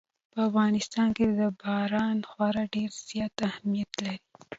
په افغانستان کې باران خورا ډېر زیات اهمیت لري.